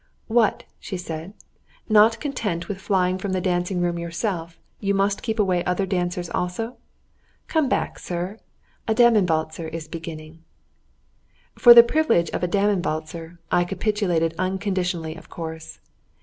"What," she said, "not content with flying from the dancing room yourself, must you keep away other dancers also! Come back, sir! A Damenwalzer is beginning." For the privilege of a Damenwalzer I capitulated unconditionally of course.